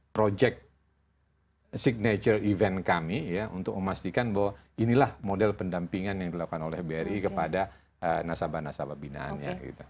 project signature event kami ya untuk memastikan bahwa inilah model pendampingan yang dilakukan oleh bri kepada nasabah nasabah binaannya